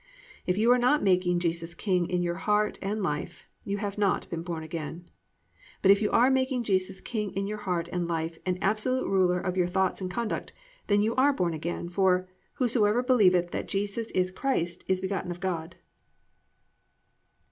If you are not making Jesus King in your heart and life you have not been born again. But if you are making Jesus King in your heart and life and absolute ruler of your thoughts and conduct, then you are born again, for +"Whosoever believeth that Jesus is Christ is begotten of God."